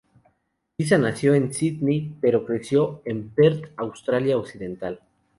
Lisa nació en Sídney, pero creció en Perth, Australia Occidental.